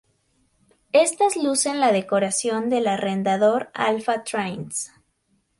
Éstas lucen la decoración del arrendador Alpha Trains.